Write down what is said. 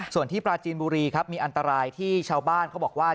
ส่วนที่ปราจีนบุรีครับมีอันตรายที่ชาวบ้านเขาบอกว่า